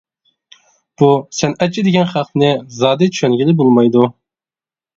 بۇ سەنئەتچى دېگەن خەقنى زادى چۈشەنگىلى بولمايدۇ.